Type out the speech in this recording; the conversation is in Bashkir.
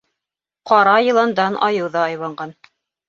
Ҡара йыландан айыу ҙа айбанған.